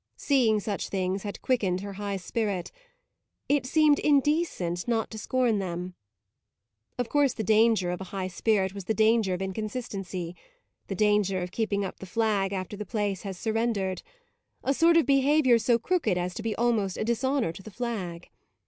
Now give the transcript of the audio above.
Seeing such things had quickened her high spirit; it seemed indecent not to scorn them. Of course the danger of a high spirit was the danger of inconsistency the danger of keeping up the flag after the place has surrendered; a sort of behaviour so crooked as to be almost a dishonour to the flag.